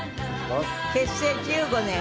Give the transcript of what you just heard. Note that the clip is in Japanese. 結成１５年。